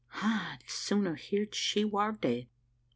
I'd sooner heerd she war dead."